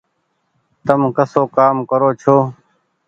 تم ڪسو ڪآم ڪرو ڇو۔